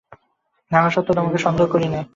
থাকা সত্ত্বেও তোমাকে সন্দেহ করি নে।